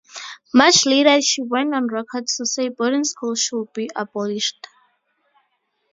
Much later she went on record to say boarding schools should be abolished.